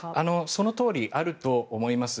そのとおりあると思います。